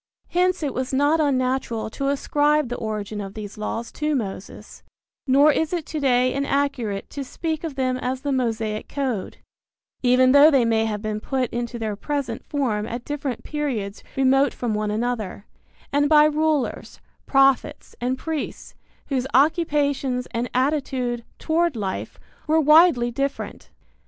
Hence it was not unnatural to ascribe the origin of these laws to Moses, nor is it to day inaccurate to speak of them as the Mosaic code, even though they may have been put into their present form at different periods remote from one another, and by rulers, prophets and priests whose occupations and attitude toward life were widely different.